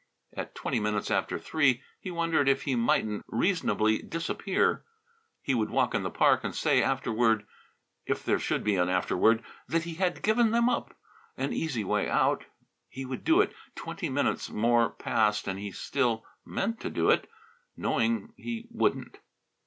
At twenty minutes after three he wondered if he mightn't reasonably disappear. He would walk in the park and say afterward if there should be an afterward that he had given them up. An easy way out. He would do it. Twenty minutes more passed and he still meant to do it, knowing he wouldn't.